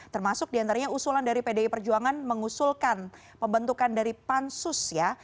termasuk diantaranya usulan dari pdi perjuangan mengusulkan pembentukan dari pansus ya